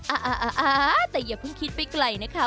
อ่าแต่อย่าคิดไปไกลนะคะ